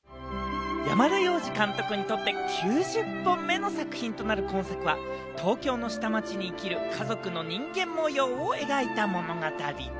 山田洋次監督にとって９０本目の作品となる今作は東京の下町に生きる家族の人間模様を描いた物語。